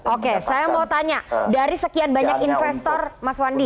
oke saya mau tanya dari sekian banyak investor mas wandi